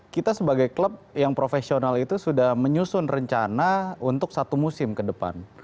kita sebagai klub yang profesional itu sudah menyusun rencana untuk satu musim ke depan